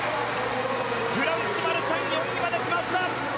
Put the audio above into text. フランス、マルシャン４位まできました。